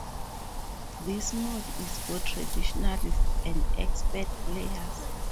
This mode is for traditionalists and expert players.